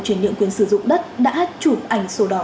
chuyển điện quyền sử dụng đất đã chủ ảnh sổ đỏ